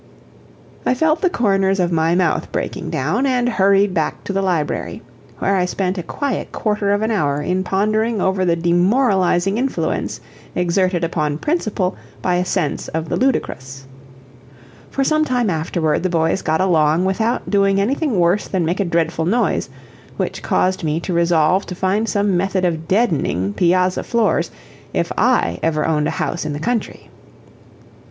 I felt the corners of my mouth breaking down, and hurried back to the library, where I spent a quiet quarter of an hour in pondering over the demoralizing influence exerted upon principle by a sense of the ludicrous. For some time afterward the boys got along without doing anything worse than make a dreadful noise, which caused me to resolve to find some method of deadening piazza floors if I ever owned a house in the country.